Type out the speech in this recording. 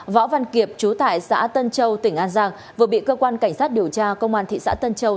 võ văn kiệp chú tải xã tân châu tỉnh an giang vừa bị cơ quan cảnh sát điều tra công an thị xã tân châu